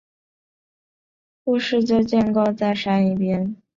故事就建构在珊一边在监控下进行仿造的准备及和传承派政要的尔虞我诈中。